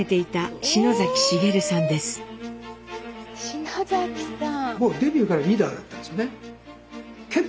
篠崎さん！